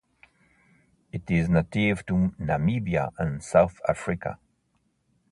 It is native to Namibia and South Africa.